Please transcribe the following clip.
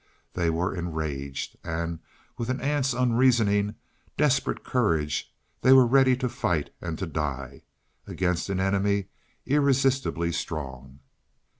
They were enraged, and with an ant's unreasoning, desperate courage they were ready to fight and to die, against an enemy irresistibly strong.